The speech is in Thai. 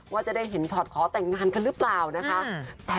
ว่าจะได้เห็นช็อตขอแต่งงานกันหรือเปล่านะคะ